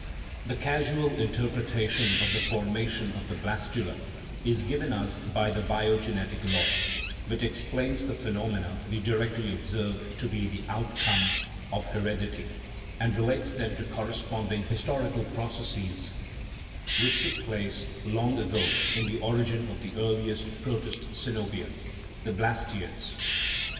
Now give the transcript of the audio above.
The causal interpretation of the formation of the blastula is given us by the biogenetic law, which ex plains the phenomena we directly observe to be the outcome of heredity, and relates them to correspond ing historical processes which took place long ago in the origin of the earliest protist coenobia, the blastseads.